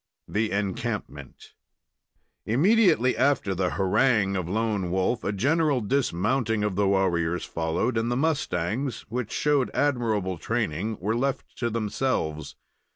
THE ENCAMPMENT Immediately after the harangue of Lone Wolf a general dismounting of the warriors followed, and the mustangs, which showed admirable training, were left to themselves.